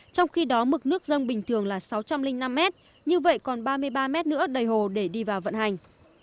trong khi đó mực nước dân bình thường là sáu trăm linh năm m như vậy còn ba mươi ba mét nữa đầy hồ để đi vào vận hành